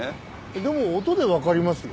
でも音で分かりますよ。